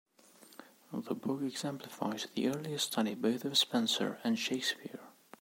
The book exemplifies the earliest study both of Spenser and Shakespeare.